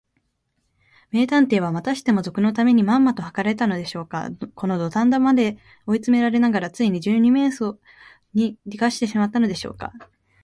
名探偵は、またしても賊のためにまんまとはかられたのでしょうか。このどたん場まで追いつめながら、ついに二十面相をとりにがしてしまったのでしょうか。